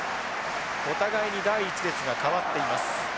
お互いに第１列が代わっています。